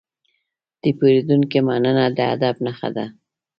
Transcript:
د پیرودونکي مننه د ادب نښه ده.